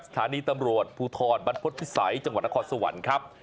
สถานีตำรวจภูทรบรรพฤษภิษัยจังหวัดนครสวรรค์ครับ